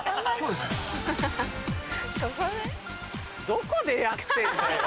どこでやってんだよ？